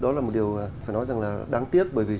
đó là một điều phải nói rằng là đáng tiếc